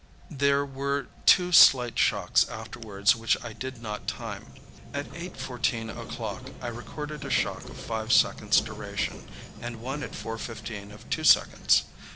There were two slight shocks afterwards which I did not time. At 8.14 o'clock I recorded a shock of five seconds' duration, and one at 4.15 of two seconds.